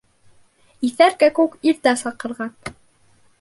Иҫәр кәкүк иртә саҡырған.